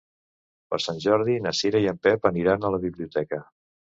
Per Sant Jordi na Cira i en Pep aniran a la biblioteca.